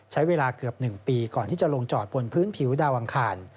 ใช้เวลาเกือบ๑ปีก่อนที่จะลงจอดบนพื้นผิวดาวอังคาร